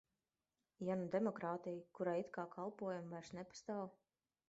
Ja nu demokrātija, kurai it kā kalpojam, vairs nepastāv?